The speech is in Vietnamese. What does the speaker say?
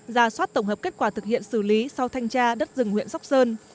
ra soát tổng hợp kết quả thực hiện xử lý sau thanh tra đất rừng huyện sóc sơn